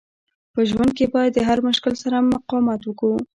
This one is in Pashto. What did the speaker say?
په ژوند کښي باید د هر مشکل سره مقاومت وکو.